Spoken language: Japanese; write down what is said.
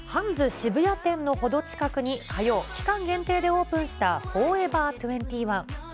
渋谷店の程近くに火曜、期間限定でオープンしたフォーエバー２１。